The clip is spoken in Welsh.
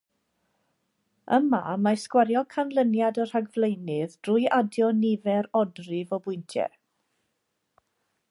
Yma, mae sgwario canlyniad y rhagflaenydd drwy adio nifer odrif o bwyntiau.